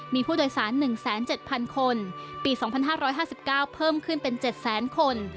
มีผู้โดยสาร๑๗๐๐คนปี๒๕๕๙เพิ่มขึ้นเป็น๗แสนคน